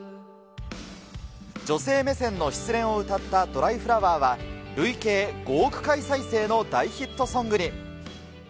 女性目線の失恋を歌ったドライフラワーは、累計５億回再生の大ヒットソングに。